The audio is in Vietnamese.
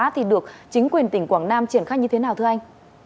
thì được chính quyền tỉnh quảng nam triển khai như thế nào thưa anh